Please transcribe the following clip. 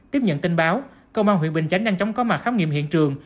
tiếp nhận tin báo công an huyện bình chánh đang chóng có mặt khám nghiệm hiện trường